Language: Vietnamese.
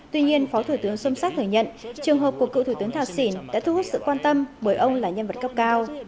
tuy nhiên phó thủ tướng xâm xác hở trường hợp của cựu thủ tướng thạc xỉn đã thu hút sự quan tâm bởi ông là nhân vật cấp cao